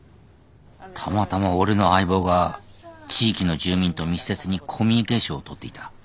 たまたま俺の相棒が地域の住民と密接にコミュニケーションを取っていた。